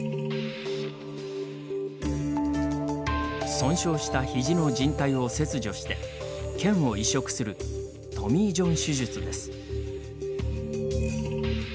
損傷した肘のじん帯を切除してけんを移植するトミー・ジョン手術です。